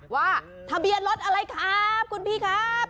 ว่าทะเบียนรถอะไรครับคุณพี่ครับ